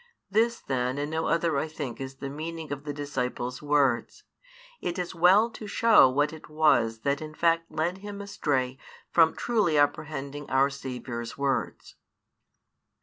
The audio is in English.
This then and no other I think |328 is the meaning of the disciple's words. It is well to show what it was that in fact led him astray from truly apprehending our Saviour's words.